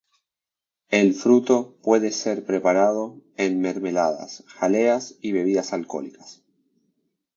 El fruto puede ser preparado en mermeladas, jaleas y bebidas alcohólicas.